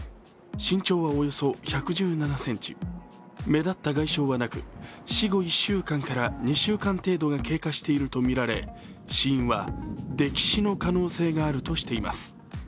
目立った外傷はなく死後１週間から２週間程度が経過しているとみられ死因は溺死の可能性があるとしています。